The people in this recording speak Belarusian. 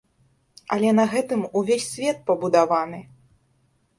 Але на гэтым увесь свет пабудаваны!